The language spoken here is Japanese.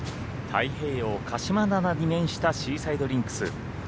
太平洋・鹿島灘に面したシーサイドリンクス。